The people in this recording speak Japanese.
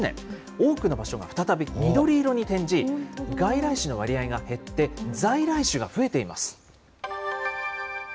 多くの場所が再び緑色に転じ、外来種の割合が減って、在来種が増えています。